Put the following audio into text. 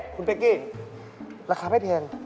คุณเฟคกี้ราคาไม่เพียง